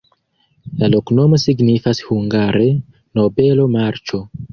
La loknomo signifas hungare: nobelo-marĉo.